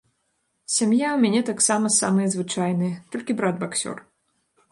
Сям'я ў мяне таксама самая звычайная, толькі брат баксёр.